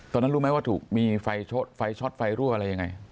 ตอนนั้นรู้ไหมว่าถูกมีไฟช็อตไฟรั่วอะไรยังไง